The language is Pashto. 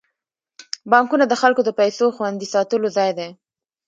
بانکونه د خلکو د پيسو خوندي ساتلو ځای دی.